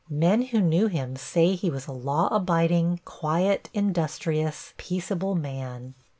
Men who knew him say that he was a law abiding, quiet, industrious, peaceable man.